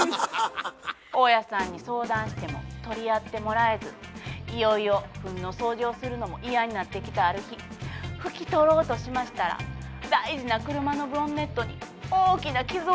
大家さんに相談しても取り合ってもらえずいよいよフンの掃除をするのも嫌になってきたある日拭き取ろうとしましたら大事な車のボンネットに大きな傷をつけてしまったんです。